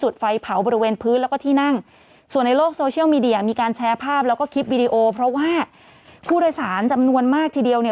แล้วก็คลิปวิดีโอเพราะว่าผู้โดยสารจำนวนมากทีเดียวเนี่ย